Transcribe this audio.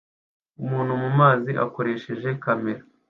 Umuntu mumazi akoresheje kamera